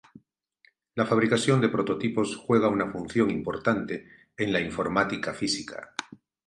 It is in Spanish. La fabricación de prototipos juega una función importante en la informática física.